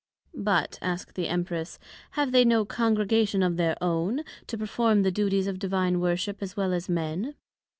But, asked the Empress, Have they no Congregation of their own, to perform the duties of Divine Worship, as well as Men?